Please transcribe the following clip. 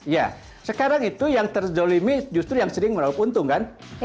ya sekarang itu yang terzolimi justru yang sering meraup untung kan